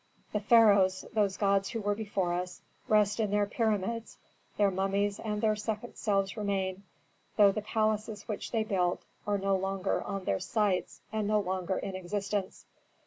"The pharaohs, those gods who were before us, rest in their pyramids; their mummies and their second selves remain, though the palaces which they built are no longer on their sites, and no longer in existence.